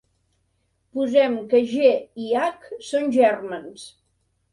Posem que "g" i "h" són gèrmens.